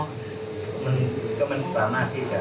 ปกติไม่เกิน๕๐บีกรัมสิบร้อยสามสี่สาม